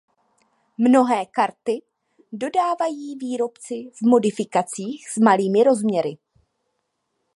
Mnohé karty dodávají výrobci v modifikacích s malými rozměry.